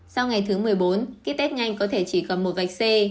sau ngày thứ một mươi bốn kít tết nhanh có thể chỉ có một vạch c